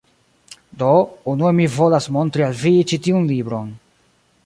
Do, unue mi volas montri al vi ĉi tiun libron